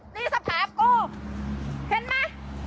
นี่สภาพกูเห็นมั้ย